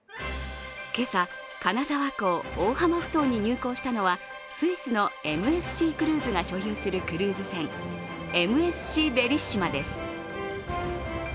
今朝、金沢港大浜ふ頭に入港したのはスイスのＭＳＣクルーズが所有するクルーズ船、ＭＳＣベリッシマです。